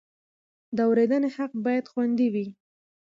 د اورېدنې حق باید خوندي وي.